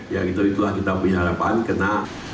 ya gitu gitu lah kita punya harapan kena